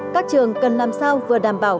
các trường cần làm sao vừa đảm bảo